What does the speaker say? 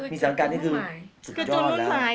มีสังกัดที่คือสุดยอดแล้ว